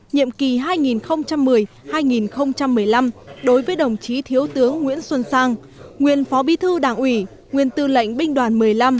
nhiệm kỳ hai nghìn một mươi hai nghìn một mươi năm đối với đồng chí thiếu tướng nguyễn xuân sang nguyên phó bí thư đảng ủy nguyên tư lệnh binh đoàn một mươi năm